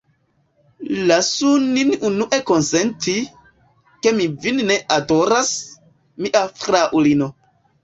Lasu nin unue konsenti, ke mi vin ne adoras, mia fraŭlino.